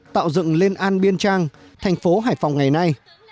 tạo dựng lên an biên trang thành phố hải phòng ngày nay